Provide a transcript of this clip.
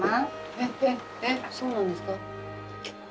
えっえっそうなんですか。